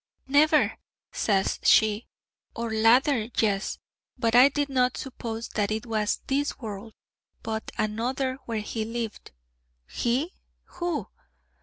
'Never,' says she, 'or lather, yes: but I did not suppose that it was this world, but another where he lived.' 'He who?'